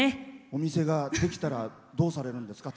お店ができたらどうされるんですか？